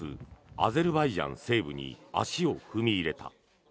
アゼルバイジャン西部に足を踏み入れた。